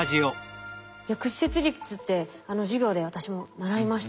いや屈折率って授業で私も習いました。